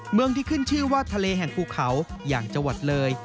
เมืองที่ขึ้นชื่อว่าทะเลแห่งภูเขาอย่างจังหวัดเลย